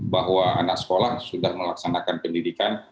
bahwa anak sekolah sudah melaksanakan pendidikan